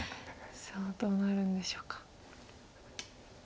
さあどうなるんでしょうか。